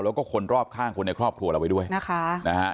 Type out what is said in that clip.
แล้วก็คนรอบข้างคนในครอบครัวเราไว้ด้วยนะคะนะฮะ